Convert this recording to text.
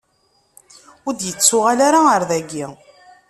Ur d-ittuɣal ara ɣer dagi.